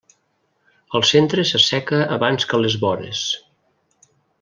El centre s'asseca abans que les vores.